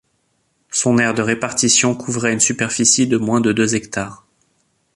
Son aire de répartition couvrait une superficie de moins de deux hectares.